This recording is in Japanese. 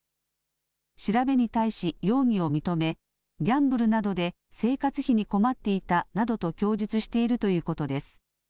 調べに対し容疑を認めギャンブルなどで生活費に困っていたなどと供述しているということです。